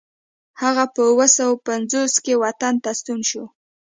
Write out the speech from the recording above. هغه په اوه سوه پنځوس کې وطن ته ستون شو.